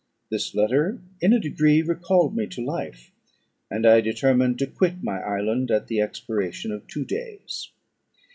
This letter in a degree recalled me to life, and I determined to quit my island at the expiration of two days.